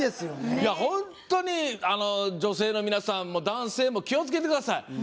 本当に、女性の皆さんも男性も気をつけてください。